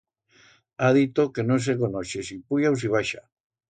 Ha dito que no se conoixe si puya u si baixa.